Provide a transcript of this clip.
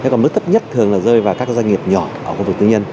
còn mức thấp nhất thường là rơi vào các doanh nghiệp nhỏ ở khu vực tư nhân